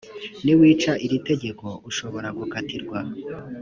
niwica iri tegeko ushobora gukatirwa